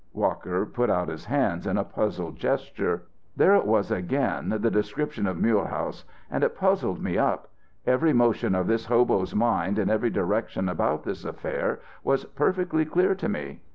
'" Walker put out his hands in a puzzled gesture. "There it was again, the description of Mulehaus! And it puzzled me up. Every motion of this hobo's mind in every direction about this affair was perfectly clear to me.